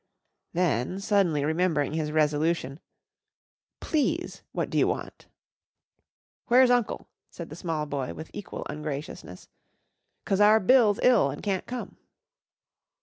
Then, suddenly remembering his resolution, "Please what d'you want?" "Where's Uncle?" said the small boy with equal ungraciousness. "'Cause our Bill's ill an' can't come."